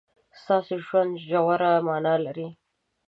ستاسو ژوند ژوره مانا لري.